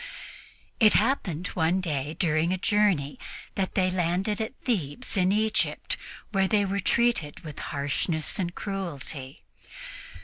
It happened one day during a journey that they landed at Thebes in Egypt, where they were treated with harshness and cruelty.